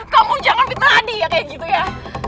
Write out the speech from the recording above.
kamu jangan fitnah adi ya kayak gitu ya